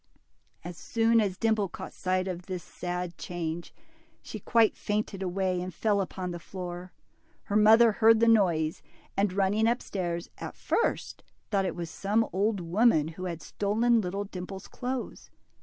As soon as Dimple caught sight of this sad change, she quite fainted away and fell upon the floor. Her mother heard the noise, and running up stairs, at first thought it was some old woman who had stolen little Dimple's clothes.